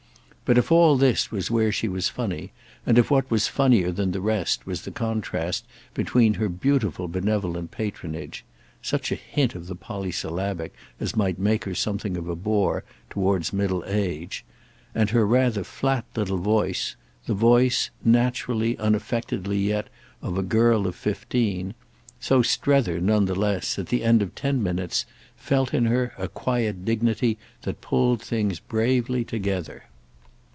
But if all this was where she was funny, and if what was funnier than the rest was the contrast between her beautiful benevolent patronage—such a hint of the polysyllabic as might make her something of a bore toward middle age—and her rather flat little voice, the voice, naturally, unaffectedly yet, of a girl of fifteen; so Strether, none the less, at the end of ten minutes, felt in her a quiet dignity that pulled things bravely together.